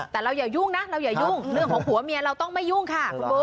แต่เราอย่ายุ่งนะเราอย่ายุ่งเรื่องของผัวเมียเราต้องไม่ยุ่งค่ะคุณบุ๊